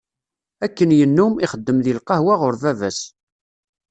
Akken yennum, ixeddem deg lqahwa ɣur baba-s.